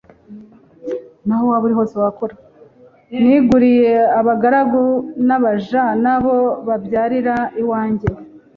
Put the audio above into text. niguriye abagaragu nabaja nabo babyarira iwanjye